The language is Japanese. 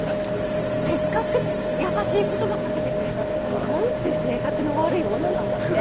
「せっかく優しい言葉かけてくれたのになんて性格の悪い女なんだ」って。